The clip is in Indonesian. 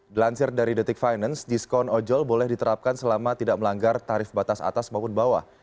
dilansir dari detik finance diskon ojol boleh diterapkan selama tidak melanggar tarif batas atas maupun bawah